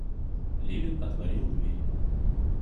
Левин отворил дверь.